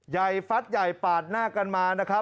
ใหญ่ฟัดใหญ่ปาดหน้ากันมานะคะ